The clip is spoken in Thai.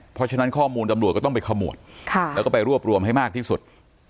เพราะฉะนั้นข้อมูลตำรวจก็ต้องไปขมวดแล้วก็ไปรวบรวมให้มากที่สุด